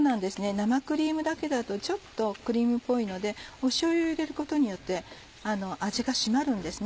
生クリームだけだとちょっとクリームっぽいのでしょうゆ入れることによって味が締まるんですね。